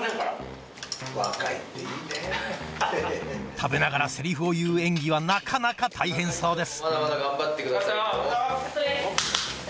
食べながらセリフを言う演技はなかなか大変そうです